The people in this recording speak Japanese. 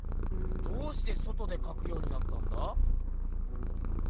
どうして外でかくようになったんだ？